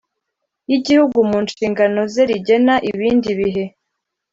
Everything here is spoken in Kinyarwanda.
Y igihugu mu nshingano ze rigena ibindi bihe